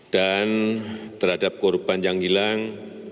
dan terhadap korban yang hilang